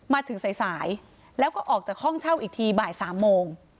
มาถึงสายแล้วก็ออกจากห้องเช่าอีกทีบ่าย๓โมง